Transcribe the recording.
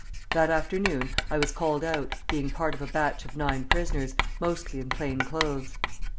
That afternoon I was called out, being part of a batch of nine prisoners, mostly in plain clothes.